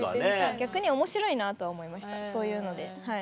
逆に面白いなとは思いましたそういうのではい。